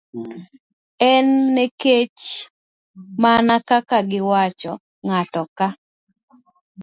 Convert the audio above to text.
En nikech, mana kaka giwacho, ng'ato ka